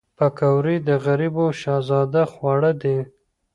پکورې د غریبو شهزاده خواړه دي